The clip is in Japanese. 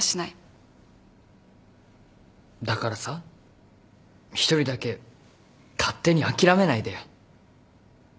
だからさ一人だけ勝手に諦めないでよ。